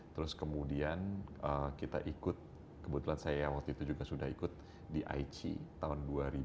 terus kemudian kita ikut kebetulan saya waktu itu juga sudah ikut di aichi tahun dua ribu